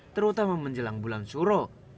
terutama menjelang bulan suro